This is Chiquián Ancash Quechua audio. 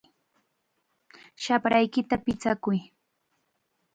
¡Shapraykita pichakuy!